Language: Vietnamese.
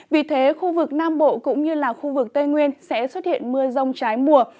vì thế khu vực nam bộ cũng như là khu vực tây nguyên sẽ xuất hiện mưa rông trái mùa